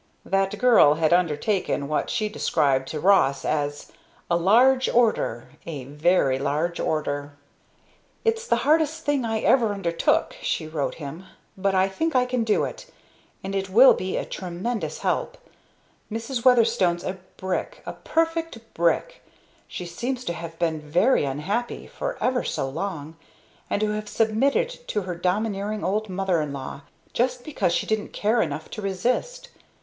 That girl had undertaken what she described to Ross as "a large order a very large order." "It's the hardest thing I ever undertook," she wrote him, "but I think I can do it; and it will be a tremendous help. Mrs. Weatherstone's a brick a perfect brick! She seems to have been very unhappy for ever so long and to have submitted to her domineering old mother in law just because she didn't care enough to resist.